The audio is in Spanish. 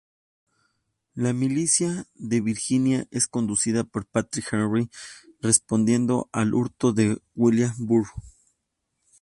La Milicia de Virginia, es conducida por Patrick Henry, respondiendo al hurto de Williamsburg.